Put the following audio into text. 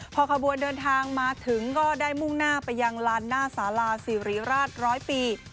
พอขบวนเดินทางมาถึงก็ได้มุ่งหน้าไปยังลานหน้าสาลาศิริราชร้อยปี